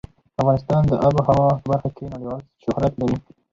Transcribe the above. افغانستان د آب وهوا په برخه کې نړیوال شهرت لري.